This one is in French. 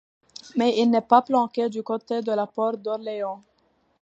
Mais il n’est pas planqué du côté de la Porte d’Orléans.